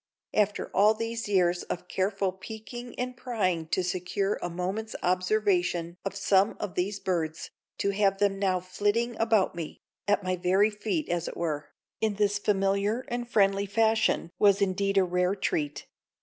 After all of these years of careful peeking and prying to secure a moment's observation of some of these birds, to have them now flitting about me, at my very feet as it were, in this familiar and friendly fashion was indeed a rare treat.